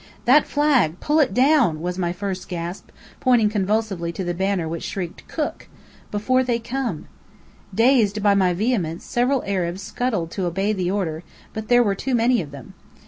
"That flag! Pull it down!" was my first gasp, pointing convulsively to the banner which shrieked, "Cook!" "Quick before they come!" Dazed by my vehemence, several Arabs scuttled to obey the order, but there were too many of them.